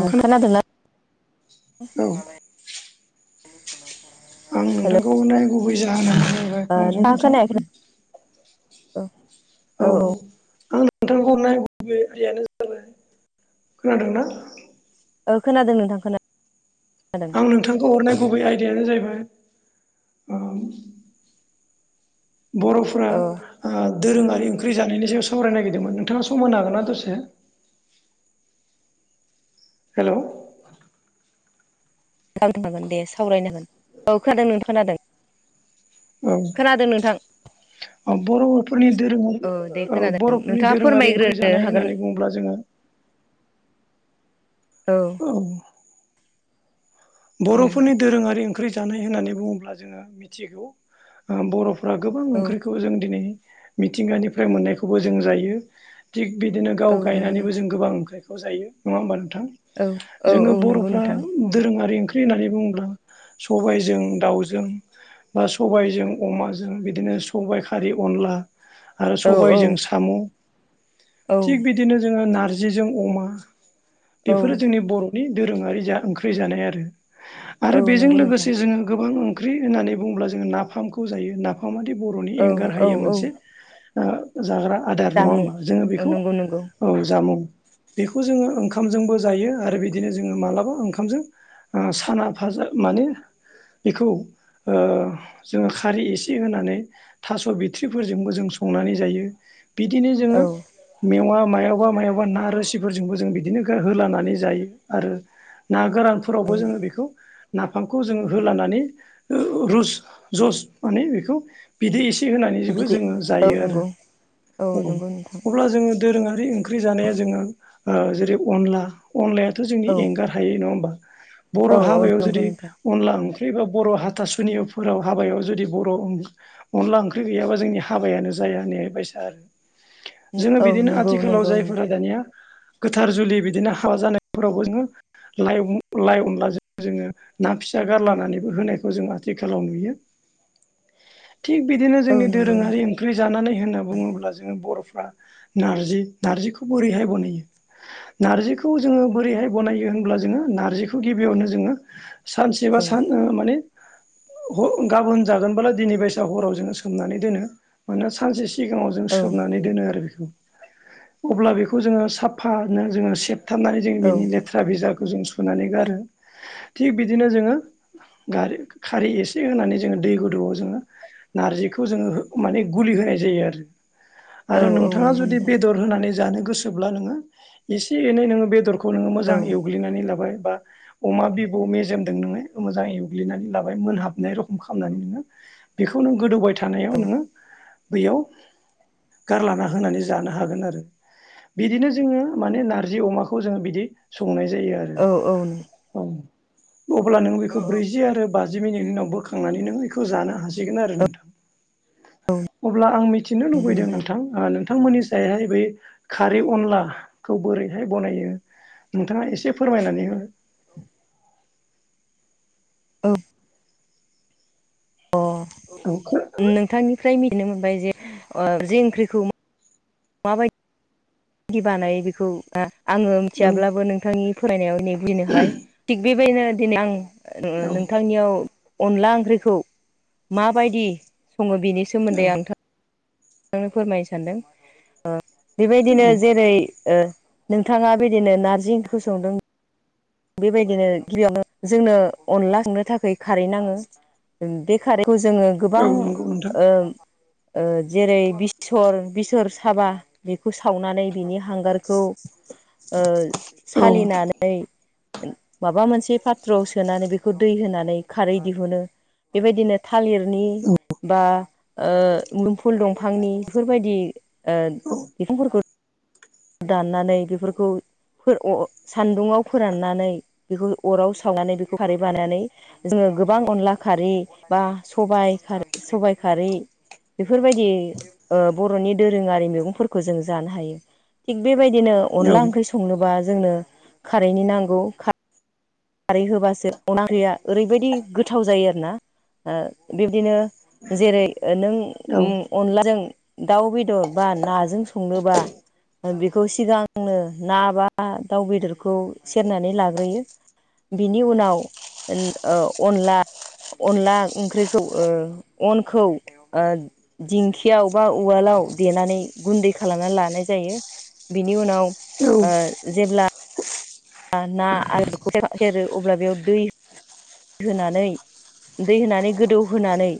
औ खोना खोनादों ना औ आं हेल' नोंथांखौ नायगुबै जाहोना जाबाय ओ नोंथाङा खोनायाखै [unintelligible] ना? औ औ आं नोंथांखौ हरनाय [unintelligible] यानो जाबाय खोनादोंना ओ खोनादों नोंथां खोना खोनादों आं नोंथांखौ हरनाय गुबै आयदायानो जाहैबाय बर'फोरा औ दोरोङारि ओंख्रि जानायनि सायाव सावरायनो नागिरदोंमोन नोंथाङा सम होनो हागोन ना दसे हेल' हागोन हागोन दे सावरायनो हागोन औ खोनादों नों खोनादों औ खोनादों नोंथां बर'फोरनि दोरोङारि औ दे ओ खोनादों बर'फोरनि नोंथाङा दोरोङारि ओंख्रि फोरमायग्रोनो जानाय हागोन होननानै बुङोब्ला जोङो [inaudible] औ औ उम बर'फोरनि दोरोंआरि ओंख्रि जानाय होननानै बुङोब्ला जोङो मिथिगौ ओ बर'फ्रा गोबां औ ओंख्रिखौ जों दिनै मिथिंगानिफ्राय मोननायखौबो जों जायो थिग बिदिनो गाव औ नंगौ नों गायनानैबो जों गोबां ओंख्रिखौ जायो नङा होमबा नोंथां औ औ जोङो औ नंगौ बर'फ्रा नोंथां दोरोंआरि ओं ओंख्रि होननानै बुङोब्ला सबायजों दाउजों बा सबायजों अमाजों बिदिनो सबाय खारि अनला आरो औ औ सबायजों साम' औ थिग बिदि बिदिनो जोङो नारजिजों अमा औ बेफोरो जोंनि बर' नि दोरोंआरि जा ओंख्रि जानाय आरो आरो औ बेजों नंगौ नोंथां लोगोसे जोङो गोबां ओंख्रि होननानै बुङोब्ला जोङो नाफामखौ खौ जायो नाफामादि बर'नि औ एंगार औ हायै औ मोनसे ओ जाग्रा आदार नङा जामुं होमबा जोङो औ बेखौ नंगौ नंगौ औ जामुं बेखौ जोङो ओंखामजोंबो जायो आरो बिदिनो जोङो मालाबा ओंखामजों ओ साना फाजा माने बेखौ ओ जोङो खारै एसे होनानै थास' बिथ्रिफोरजोंबो जों संनानै जायो बिदिनो जोङो औ मेवा मायावबा मायावबा ना रोसिफोरजोंबो जों बिदिनो होलानानै जायो आरो ना गोरानफोरावबो औ जोङो बेखौ नाफामखौ जोङो होलानानै रुस जुस माने बेखौ बिदै एसे होनानैबो बिदि जोङो औ जायो आरो नंगौ औ नंगौ नोंथां अब्ला जोङो दोरोंआरि ओंख्रि जानाया जोङो ओ जेरै अनला अनलायाथ' जोंनि औ एंगार हा थायो नङा होमबा बर' औ औ हाबायाव नंगौ जुदि नोंथां अनला ओंख्रि बा बर' हाथासुनिफोराव हाबायाव जुदि बर' ओं अनला ओंख्रि गैयाबा जोंनि हाबायानो जाया होनाय बायसा आरो जोङो औ बिदिनो नंगौ आथिखालाव नंगौ नंगौ जायफोरा दानिआ गोथार जुलि बिदिनो हाबा जानायफोरावबो जोङो लाइ लाइ अनलाजों जोङो ना फिसा गारलानानैबो होनायखौ जों आथिखालाव नुयो थिग बिदिनो औ जोंनि नंगौ दोरोंआरि नोंथां ओं ओंख्रि जानानै होनना बुङोब्ला जोङो बर'फ्रा नार्जि नारजिखौ बोरैहाय बनायो नारजिखौ जोङो बोरैहाय बनायो होनब्ला जोङो नार नारजिखौ गिबिआवनो जोङो सानसे बा औ सान ओ माने ह गाबोन जागोनब्ला दिनै बाइसा हराव जोङो सोमनानै दोनो मानोना सानसे सिगांआव औ सोमनानै दोनो आरो बेखौ अब्ला बेखौ जोङो साफानो सेब थाबनानै जों औ बिनि लेथ्रा बिजाखौ जों सुनानै गारो थिग बिदिनो जोङो गारो खारै एसे होनानै जोङो दै गुदौआव जोङो नारजिखौ जोङो हो माने गुलि होनाय जायो आरो औ आरो औ नोंथांआ नंगौ जुदि बेदर नोंथां बेदर होनानै जानो गोसोब्ला नोङो एसे एनै नोङो बेदरखौ नोङो औ मोजां एवग्लिनानै लाबाय बाय बा अमा बिबु मेजेमदों नोङो मोजाङै एवग्लिनानै लाबाय मोनहाबनाय रखम खालामनानै नोङो बेखौ नों गोदौबाय औ थानायाव नोङो बैयाव गारलाना होनानै जानो हागोन आरो बिदिनो जोङो माने नारजि अमाखौ जोङो बिदि संनाय जायो आरो औ औ नों औ अब्ला नों बेखौ ब्रैजि आरो बाजि मिनिटनि उनाव बोखांनानै नों इखौ जानो हासिगोन आरो नोंथां अब्ला आं मिथिनो लुबैदों नों नोंथां नोंथांमोननि जायहाय बै खारै अनलाखौ बोरैहाय बनायो नोंथांआ एसे फोरमायनानै हो औ अ औ नोंथांनिफ्राय मिथिनो मोनबाय जे ओ जे ओंख्रिखौ माबायदि बायदि बानायो बेखौ आङो औ मिथियाब्लाबो नोंथांनि फरायनायाव दिनै बुजिनो हाबाय थिग बेबायदिनो दिनै आं ओ औ नोंथांनियाव अनला ओंख्रिखौ माबायदि सङो बिनि सोमोन्दै आंथ नो फोरमायनो सानदों ओ औ बेबायदिनो जेरै ओ नोंथाङा बिदिनो नारजि ओंख्रिखौ संदों बेबायदिनो गिबियावनो जोंनो अनला संनो थाखाय खारै नाङो बे खारैखौ जोङो औ गोबां नंगौ नोंथां ओ ओ जेरै बेसर बेसर साबा बेखौ सावनानै बिनि हांगारखौ ओ औ सालिनानै माबा मोनसे पााथ्रआव सोनानै बेखौ दै होनानै खारै दिहुनो बेबायदिनो थालिरनि औ बा ओ मोदोमफुल दंफांनि बेफोरबायदि ओ औ बिफांफोरखौ दाननानै बेफोरखौ ओ सान्दुङाव फोराननानै बेखौ अराव सावनानै बेखौ खारै बानानै जोङो गोबां अनला खारै बा सबाय खारै सबाय खारै बेफोरबायदि ओ बर'नि दोरोङारि मैगंफोरखौ जों जानो हायो। थिग बेबायदिनो अनला ओंख्रि संनोबा जोंनो खारैनि नांगौ। खारै होबासो अनाख्रिया ओरैबायदि गोथाव जायो आरोना ओ बिबदिनो जेरै ओ नों औ नंगौ औ अनलाजों दाउ बेदर बा नाजों संनोबा बेखौ सिगांनो ना बा दाउ बेदरखौ सेरनानै लाग्रोयो। बिनि उनाव उम औ अनला अनला ओंख्रिखौ ओ अनखौ दिंखियाव बा उवालाव देनानै गुन्दै खालामनानै लानाय जायो। बिनि उनाव ओ जेब्ला ना आरो बेखौ सेरो अब्ला बेयाव दै दै होनानै दै होनानै गोदौहोनानै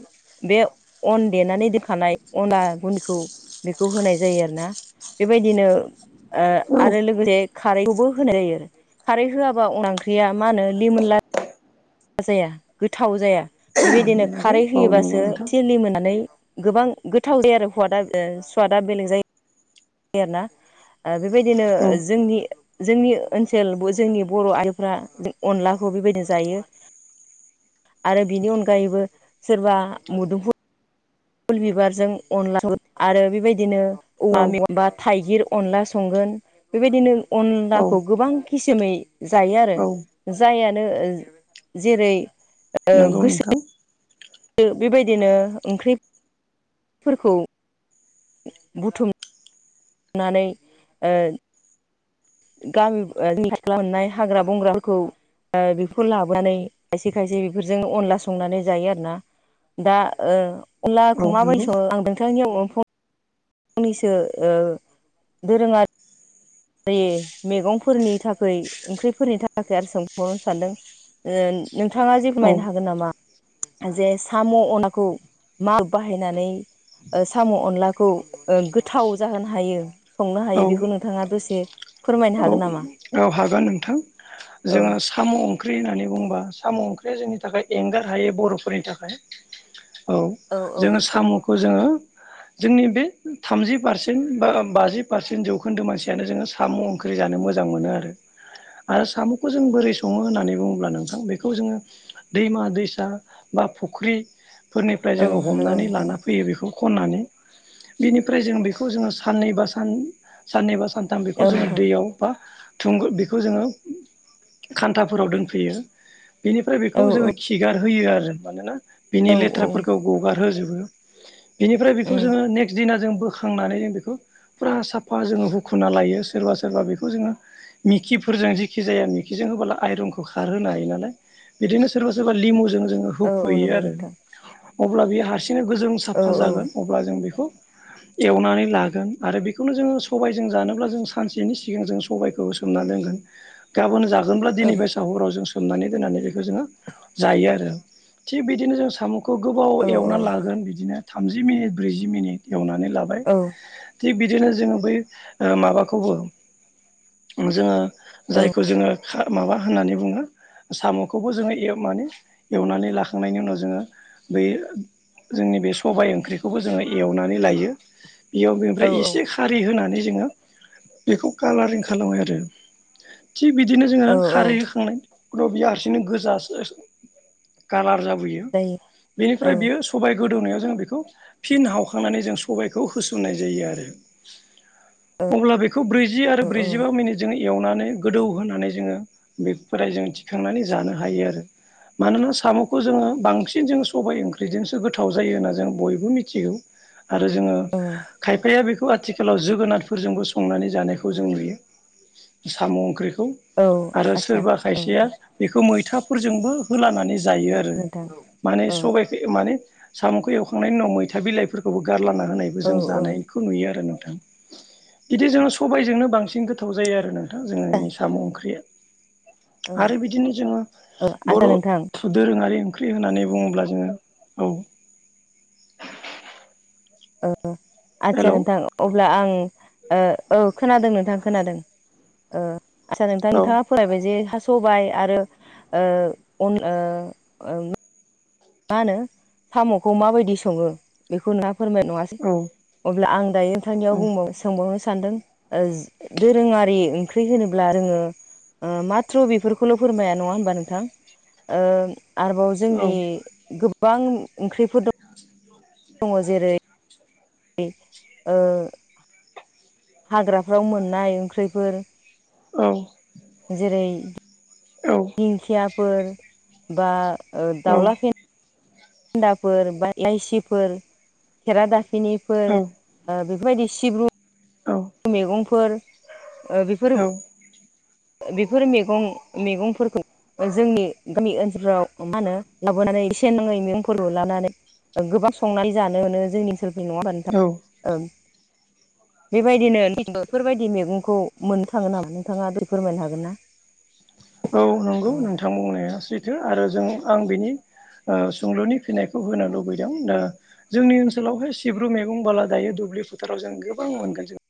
बे अन देनानै दोनखानाय अनला गुदिखौ बेखौ होनाय जायो आरोना। बेबायदिनो ओ नंगौ आरो लोगोसे खारैखौबो होनाय जायो आरो खारै होआबा अन ओंख्रिया मा होनो लिमोनला जाया गोथाव जाया बेबायदिनो खारै होयोबासो नोंथां सिलि मोनानै गोबां गोथाव जायो आरो सादा ओ स्वादा बेलेग जायो। आरो ना ओ बेबायदिनो औ जोंनि जोंनि ओनसोलबो जोंनि बर' आइजोफ्रा अनलाखौ बेबायदिनो जायो। आरो बिनि अनगायैबो सोरबा मुदोमफु फुल बिबारजों अनला आरो बेबायदिनो औ औवा मेवाय बा थाइगिर अनला संगोन बेबायदिनो औ अनलाखौ गोबां खिसुमै जायो आरो। औ जायानो जेरै ओ नोंगौ गोसो नोंथां। बेबायदिनो ओंख्रि फोरखौ बुथुम बुथुम नानै ओ गामिनि सिख्ला मोननाय हाग्रा बंग्राफोरखौ ओ बेखौ लाबोनानै खायसे खायसे बेफोरजों अनला संनानै जायो आरो ना। दा ओ औ अनलाखौ नंगौ माबोरै सङो आं नोंथांनियाव फंनैसो फंनैसो ओ दोरोङारि दे मैगंफोरनि थाखाय ओंख्रिफोरनि थाखाय आरो सोंबावनो सानदों। नोंथाङा जे औ [unintelligible] हागोन नामा? जे साम' अनाखौ माग बाहायनानै ओ साम' अनलाखौ ओ गोथाव जाहोनो हायो। संनो औ हायो बेखौ नोंथाङा दसे फोरमायनो हागोन नामा? औ हागोन नोंथां औ जोङो साम' ओंख्रि होननानै बुंङोबा साम' ओंख्रिया जोंनि थाखाय एंगार हायि बर'फोरनि थाखाय। औ औ जोङो साम'खौ जोङो जोंनि बे थामजि पारसेन्ट बा बाजि पारसेन्ट जौखोन्दो मानसियानो जोङो साम' ओंख्रि जानो मोजां मोजां मोनो आरो आरो साम'खौ जों बोरै सङो होननानै बुङोब्ला नोंथां बेखौ जोङो दैमा दैसा बा फुख्रिफोरनिफ्राय जोङो नंगौ हमनानै नोंथां लाना फैयो बेखौ। खननानै बिनिफ्राय जों बेखौ जोङो साननैबा सान साननैबा सान दा बेखौ औ जोङो नोंथां दैयाव बा थुंग बेखौ जोङो खान्थाफोराव दोनफैयो। बेनिफ्राय औ बेखौ जोङो औ खिगार होयो आरो मानोना बिनि औ उम लेथ्राफोरखौ गगार होजोबो बिनिफ्राय बेखौ जोङो नेक्स्ट दिना जों बो खांनानै जों बेखौ फुरा साफा जोङो हुखुना लायो। सोरबा सोरबा बेखौ खौ जोङो मिकिफोरजों जेखि जाया मिकिजों होबोला आइरनखौ खारहोनो हायो नालाय। बिदिनो सोरबा सोरबा लिमुजों जोङो औ औ हुख'यो नंगौ आरो। नोंथां अब्ला बेयो हारसिंनो गोजों औ साफा जागोन। अब्ला जों बिखौ एवनानै लागोन आरो बेखौनो जोङो सबायजों जानोब्ला जों सानसेनि सिगां जों सबायखौ सोमना दोनगोन गाबोन जागोनब्ला औ दिनै बे दा हराव जों सोमनानै दोननानै बेखौ जोङो जायो आरो थिग बिदिनो जों साम' खौ गोबाव औ एवनानै लागोन बिदिनो थामजि मिनिट ब्रैजि मिनिट एवनानै लाबाय। औ थिग बिदिनो जोङो बै ओ माबाखौबो जोङो जायखौ जोङो खा माबा होननानै बुङो। साम'खौबो जोङो ऐ माने एवनानै लाखांनायनि उनाव जोङो बैयो जोंनि बे सबाय ओंख्रिखौबो जोङो एवनानै लायो। बेयाव औ बेनिफ्राय इसे खारै होनानै जोङो बेखौ कालारिं खालामो आरो। थिग बिदिनो जोङो औ औ खारै होखांनाय फोराव बियो हारसिंनो गोजा सोस कालार जाबोयो जायो बेनिफ्राय बेयो औ सबाइ गोदौनायाव जों बेखौ फिन हावखांनानै जों सबायखौ होसननाय जायो आरो। अब्ला बेखौ ब्रैजि आरो औ ब्रैजिबा मिनिट जों एवनानै गोदौ होनानै जोङो बेफोर जों थिखांनानै जानो हायो आरो। मानोना साम'खौ जोङो बांसिन जों सबाइ ओंख्रिजोंसो गोथाव जायो होनना जों बयबो मिथिगौ। आरो जोङो औ औ खायफाया बेखौ आथिखालाव जोगोनारफोरजोंबो संनानै जानायखौ खौ जों लुयो साम' ओंख्रिखौ औ आरो आदसा सोरबा औ खायसेया। बेखौ मैथाफोरजोंबो होलानानै जायो आरो नोंथां माने औ सबाइ बैयो माने साम'खौ एवखांनायनि उनाव मैथा बिलाइफोरखौबो गारलाना होनायबो औ जों औ जानाय खौ नुयो आरो नोंथां। इदि जोङो सबायजोंनो बांसिन गोथाव जायो आरो ना? जोंङो साम' ओंख्रिया आरो बिदिनो जोङो औ आदसा बर' नोंथां दोरोङारि ओंख्रि होननानै बुङोब्ला जोङो औ औ आदसा हेलौ नोंथां। अब्ला आं ओ औ खोनादों नोंथां खोनादों। ओ आदसा नोंथां औ नोंथाङा। फरायबाय जे हा स'बाइ आरो ओ अन ओ ओ मा होनो साम'खौ माबायदि सङो बेखौ नोंहा फोरमाय नङा औ अब्ला आं दायो नोंथांनियाव औ बुंबावो सो सोंबावनो सानदों ओज दोरोङारि ओंख्रि होनोब्ला रोङो माथ्र' बेफोरखौल' फोरमाया नङा होमबा नोंथां ओ। आरोबाव औ जोंनि गोबां ओंख्रिफोर दं। दङ। जेरै ओ हाग्राफ्राव मोननाय ओंख्रिफोर औ जेरै औ दिंखियाफोर बा दावला खें फेन्दाफोर बा एलाइसिफोर खेरादाफिनिफोर बेफोरबायदि सिब्रु औ मैगंफोर ओ बेफोर औ बेफोर मैगं मैगंफोरखौ जोंनि गामि ओनसोलफ्राव मा होनो लाबोनानै एसे नाङै मैगंफोरखौ लानानै गोबां संनानै जानो मोनो जोंनि ओनसोलखै नङा होनबा औ नोंथां बेबायदिनो बेफोरबायदि मैगंखौ मोननो थाङो नामा नोंथाङा फोरमायनो हागोन ना औ नंगौ औ नोंथां बुंनाया सैथो आरो जों आं बेनि सोंलुनि फिनायखौ होनो लुबैदों दा जोंनि ओनसोलावहाय सिब्रु मैगं बाला दायो दुब्लि फोथाराव जों गोबां मोनगोन जों